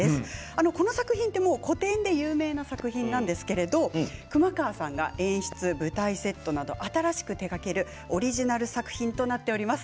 この作品は古典で有名な作品ですが熊川さんが演出・舞台セットなどを新しく手がけるオリジナル作品となっています。